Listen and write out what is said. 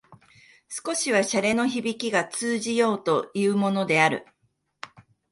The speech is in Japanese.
少しは洒落のひびきが通じようというものである